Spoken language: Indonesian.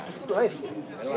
jiwa yang luas